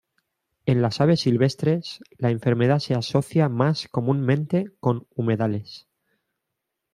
En las aves silvestres, la enfermedad se asocia más comúnmente con humedales.